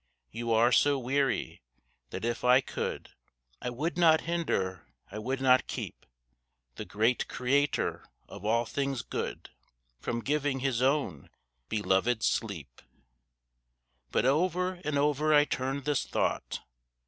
You are so weary, that if I could I would not hinder, I would not keep The great Creator of all things good, From giving his own beloved sleep. But over and over I turn this thought.